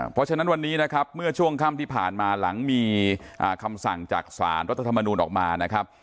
เพราะฉะนั้นวันนี้นะครับเมื่อช่วงค่ำที่ผ่านมาหลังมีคำสั่งจากสารรัฐธรรมนูลออกมานะครับ